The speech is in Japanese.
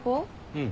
うん。